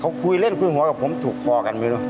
เขาคุยเล่นคุยหัวกับผมถูกพอกันไม่รู้